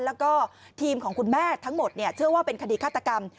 แล้วก็ทีมของคุณแม่ทั้งหมดเชื่อว่าเป็นคดีฆาตกรรม